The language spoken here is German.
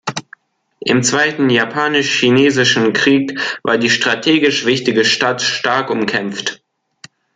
Im Zweiten Japanisch-Chinesischen Krieg war die strategisch wichtige Stadt stark umkämpft.